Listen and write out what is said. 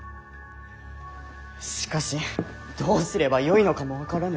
しかしどうすればよいのかも分からぬ。